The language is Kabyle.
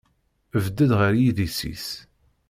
Bded ɣer yidis-is.